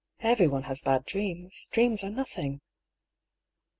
Everyone has bad dreams. Dreams are nothing."